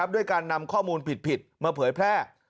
ด้วยการนำข้อมูลผิดมาเผยแพร่